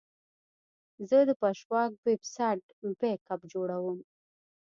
زه د پژواک ویب سایټ بیک اپ جوړوم.